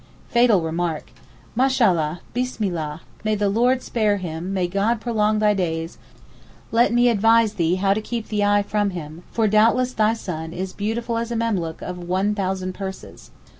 Fatal remark. 'Mashallah! Bismillah! may the Lord spare him, may God prolong thy days, let me advise thee how to keep the eye from him, for doubtless thy son is beautiful as a memlook of 1,000 purses.